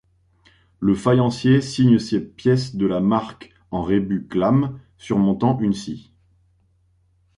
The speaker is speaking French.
Le faïencier signe ses pièces de la marque en rébus Klam surmontant une scie.